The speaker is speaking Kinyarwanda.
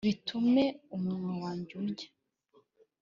'bitume umunwa wanjye undya